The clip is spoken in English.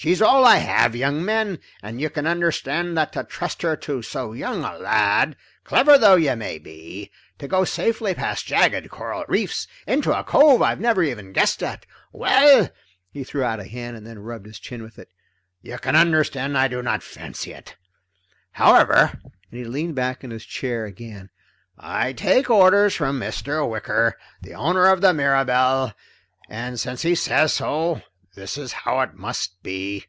She's all I have, young man, and you can understand that to trust her to so young a lad, clever though you may be, to go safely past jagged coral reefs into a cove I never even guessed at, well" he threw out a hand and then rubbed his chin with it "You can understand I do not fancy it. However," and he leaned back in his chair again, "I take orders from Mr. Wicker, the owner of the Mirabelle, and since he says so, this is how it must be."